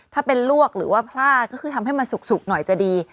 ถ้าเป็นลวกหรือว่าพลาดก็คือทำให้มันสุกหน่อยจะดี